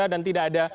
dan tidak ada